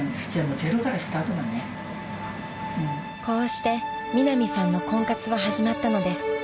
［こうしてミナミさんの婚活は始まったのです］